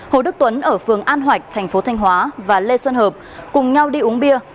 hồ đức tuấn ở phường an hoạch thành phố thanh hóa và lê xuân hợp cùng nhau đi uống bia